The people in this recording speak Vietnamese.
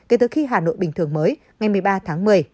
kể từ khi hà nội bình thường mới ngày một mươi ba tháng một mươi